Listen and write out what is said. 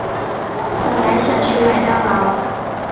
本来想去麦当劳